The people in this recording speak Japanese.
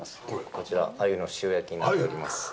こちら、アユの塩焼きになっております。